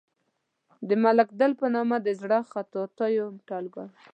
د ملک دل په نامه د زړو خطاطیو ټولګه وه.